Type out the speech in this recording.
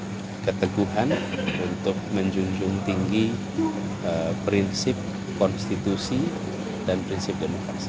dan memiliki keteguhan untuk menjunjung tinggi prinsip konstitusi dan prinsip demokrasi